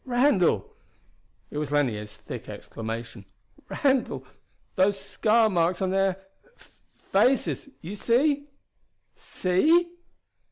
"Randall!" It was Lanier's thick exclamation. "Randall those scar marks on their faces you see ?" "See?"